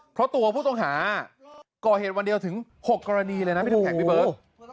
เพราะตัวผู้ต้องหาก่อเหตุวันเดียวถึง๖กรณีเลยนะพี่น้ำแข็งพี่เบิร์ต